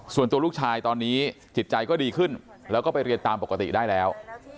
ส่วนตัวลูกชายตอนนี้จิตใจก็ดีขึ้นแล้วก็ไปเรียนตามปกติได้แล้ว